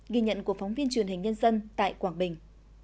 ghi nhận của phóng viên truyền hình nhân dân tại quảng bình